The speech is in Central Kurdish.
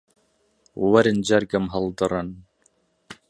وەرن جەرگم هەڵدڕن